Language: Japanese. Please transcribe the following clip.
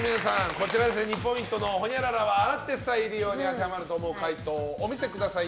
こちら、２ポイントのほにゃららは洗って再利用に当てはまると思う回答をお見せください。